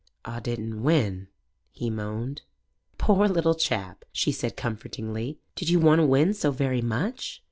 "Aw didn't win," he moaned. "Poor little chap," she said comfortingly. "Did you want to win so very much?"